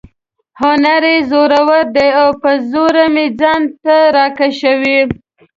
هنر یې زورور دی او په زور مې ځان ته را کشوي.